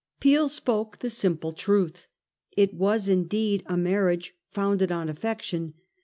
Peel spoke the simple truth ; it was indeed a marriage founded on affection.